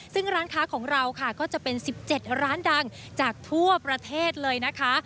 ซึ่งร้านค้าของเราค่ะก็จะเป็น๑๗ร้านดังจากทั่วประเทศเลยนะคะ